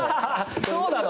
そうなの！？